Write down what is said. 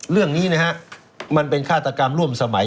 เรื่องนี้นะฮะมันเป็นฆาตกรรมร่วมสมัย